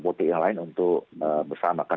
politik yang lain untuk bersama kan